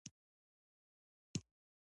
نعت په لغت کې غوره او نېکې ستایینې ته وایي.